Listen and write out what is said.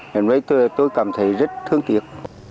nên tôi cảm thấy rất thương tiếc